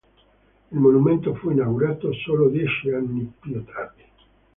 Il monumento fu inaugurato solo dieci anni più tardi.